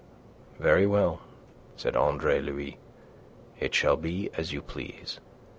"Very well," said Andre Louis. "It shall be as you please.